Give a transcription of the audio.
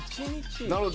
なるほど。